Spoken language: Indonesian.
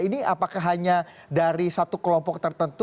ini apakah hanya dari satu kelompok tertentu